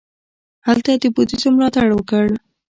هغه د بودیزم ملاتړ وکړ.